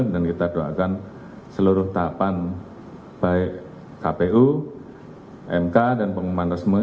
dan kita doakan seluruh tahapan baik kpu mk dan pengumuman resmi